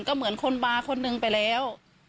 ก็เหมือนคนบาร์คนหนึ่งไปแล้ว